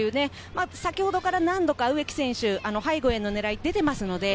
先ほどから何度か植木選手、背後への狙いが出ています。